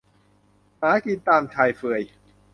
หากินตามชายเฟือย